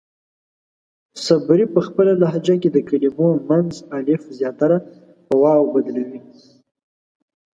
صبري پۀ خپله لهجه کې د کلمو منځ الف زياتره پۀ واو بدلوي.